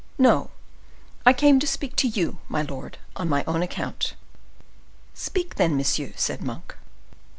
No, I came to speak to you, my lord, on my own account." "Speak then, monsieur," said Monk.